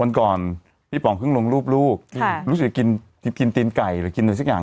วันก่อนพี่ป๋องเพิ่งลงรูปลูกรู้สึกกินตีนไก่หรือกินอะไรสักอย่าง